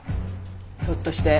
ひょっとして。